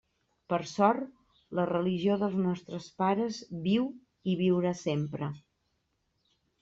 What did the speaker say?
Per sort, la religió dels nostres pares viu i viurà sempre.